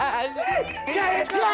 aduh maju terlalu